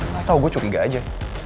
gak tau gue curiga aja